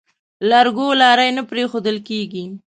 لرګو لارۍ نه پرېښوول کېږي.